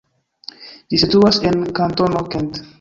Ĝi situas en kantono Kent.